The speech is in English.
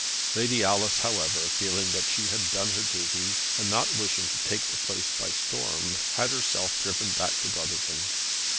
Lady Alice, however, feeling that she had done her duty, and not wishing to take the place by storm, had herself driven back to Brotherton.